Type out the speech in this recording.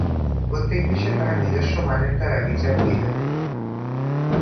প্রত্যেক বিষয়ই তাহার নিজস্ব মানের দ্বারা বিচার করিতে হইবে।